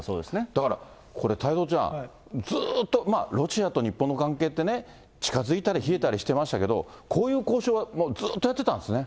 だから、これ、太蔵ちゃん、ずっとまあ、ロシアと日本の関係ってね、近づいたり冷えたりしてましたけど、こういう交渉はずっとやってたんですね。